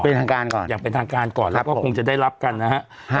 เป็นทางการก่อนอย่างเป็นทางการก่อนแล้วก็คงจะได้รับกันนะฮะ